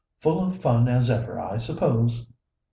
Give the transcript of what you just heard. "Full of fun as ever, I suppose."